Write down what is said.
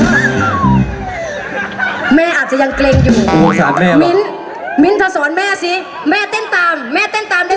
อ่านแม่อาจจะยังเกรงอยู่แม่ถ้าสอนแม่สิแม่เต้นตามแม่เต้นตามด้วย